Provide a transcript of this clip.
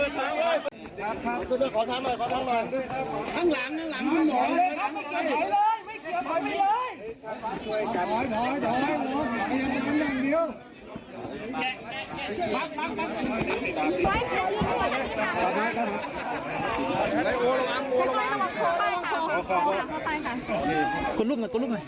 สวัสดีครับทุกคน